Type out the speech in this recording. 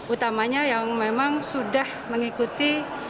utamanya yang memang sudah mengikuti